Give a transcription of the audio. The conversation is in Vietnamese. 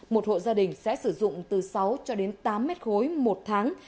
một hộ gia đình sẽ sử dụng từ sáu tám mét khối một tháng